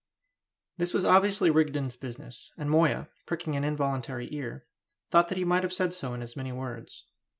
This was obviously Rigden's business, and Moya, pricking an involuntary ear, thought that he might have said so in as many words.